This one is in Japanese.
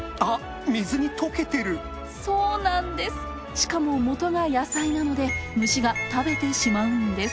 しかも、元が野菜なので虫が食べてしまうんです。